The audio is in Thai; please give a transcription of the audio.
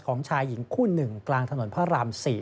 ชายหญิงคู่หนึ่งกลางถนนพระราม๔